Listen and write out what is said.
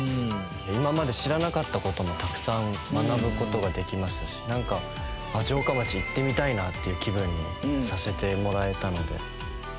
今まで知らなかった事もたくさん学ぶ事ができましたしなんか城下町行ってみたいなっていう気分にさせてもらえたので。